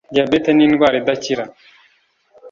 Diyabete ni indwara idakira (karande)